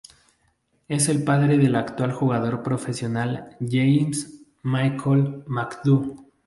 Es el padre del actual jugador profesional James Michael McAdoo.